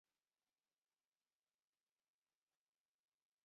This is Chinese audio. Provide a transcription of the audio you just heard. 长爪红花锦鸡儿为豆科锦鸡儿属下的一个变种。